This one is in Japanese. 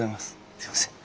すいません。